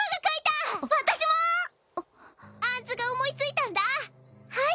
（あっ杏が思いついたんだはい。